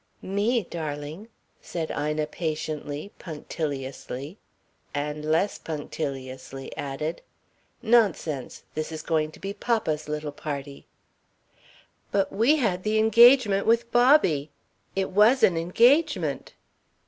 "Me, darling," said Ina patiently, punctiliously and less punctiliously added: "Nonsense. This is going to be papa's little party." "But we had the engagement with Bobby. It was an engagement."